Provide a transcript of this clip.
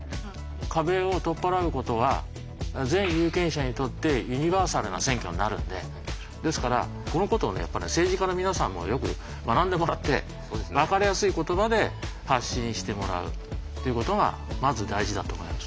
壁を取っ払うことは全有権者にとってユニバーサルな選挙になるのでですからこのことを政治家の皆さんもよく学んでもらってわかりやすい言葉で発信してもらうっていうことがまず大事だと思います。